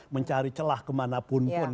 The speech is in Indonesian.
mencari celah kemana pun pun